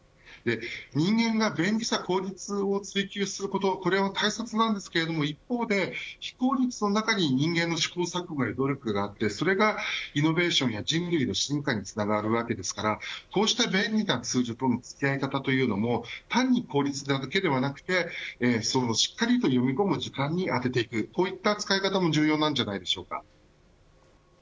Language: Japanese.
人間が便利さ効率を追求することこれは大切なんですけど一方で非効率の中に人間の試行錯誤や努力があってそれがイノベーションや人類の進化につながるわけですからこうした便利なツールとの付き合い方も単に効率だけではなくてしっかりと読み込む時間に充てていくこういった使い方も重要なんじゃないでしょうか。